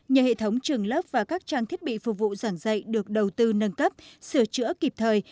nhờ hệ thống trường lớp và các trang thiết bị phục vụ giảng dạy được đầu tư nâng cấp sửa chữa kịp thời